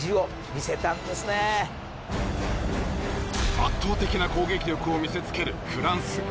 圧倒的な攻撃力を見せつけるフランス。